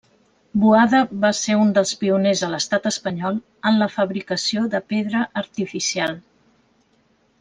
Boada va ser un dels pioners a l'estat Espanyol en la fabricació de pedra artificial.